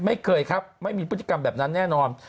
ไม่เคยครับไม่มีพฤติกรรมแบบนั้นแน่นอน